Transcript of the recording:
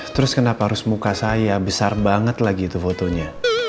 terus kenapa harus muka saya besar banget lagi itu fotonya